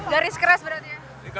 garis keras berarti ya